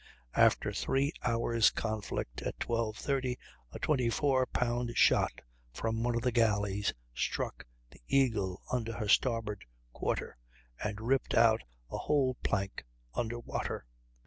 After three hours' conflict, at 12.30, a 24 pound shot from one of the galleys struck the Eagle under her starboard quarter, and ripped out a whole plank under water.